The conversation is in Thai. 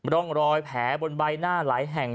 ร่องรอยแผลบนใบหน้าหลายแห่ง